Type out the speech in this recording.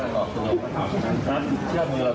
ไม่ไปจัดการสิ่งที่ไม่จัดการเหมือนเดิม